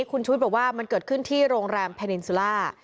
คุณชุวิตบอกว่ามันเกิดขึ้นที่โรงแรมเพนินสุล่า